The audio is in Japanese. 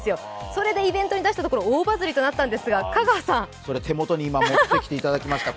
それがイベントに出したところ大バズりとなったんですが、貸していただきました。